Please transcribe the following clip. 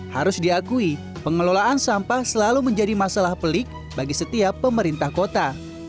harus diakui pengelolaan sampah selalu menjadi masalah pelik bagi setiap pemerintah kota